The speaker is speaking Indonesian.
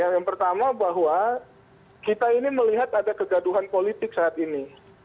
yang pertama bahwa kita ini melihat ada kegaduhan politik saat ini